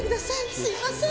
すいません。